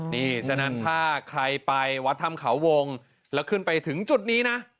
นี่ฉะนั้นถ้าใครไปวัดถ้ำเขาวงแล้วขึ้นไปถึงจุดนี้นะ